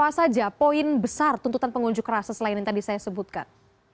apa saja poin besar tuntutan pengunjuk rasa selain yang tadi saya sebutkan